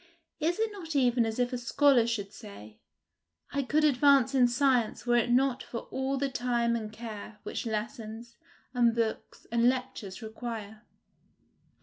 Is it not even as if a scholar should say, I could advance in science were it not for all the time and care which lessons, and books, and lectures require?